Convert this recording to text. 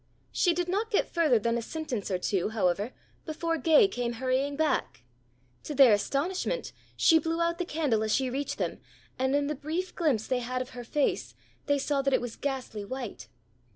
She did not get further than a sentence or two, however, before Gay came hurrying back. To their astonishment she blew out the candle as she reached them, and in the brief glimpse they had of her face they saw that it was ghastly white.